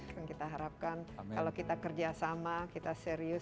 dan kita harapkan kalau kita kerja sama kita serius